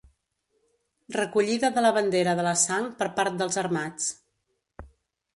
Recollida de la bandera de la Sang per part dels armats.